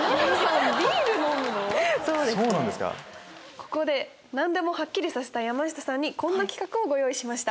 ここで何でもハッキリさせたい山下さんにこんな企画をご用意しました。